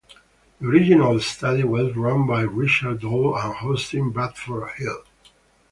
The original study was run by Richard Doll and Austin Bradford Hill.